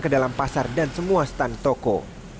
ke dalam pasar dan semua stand toko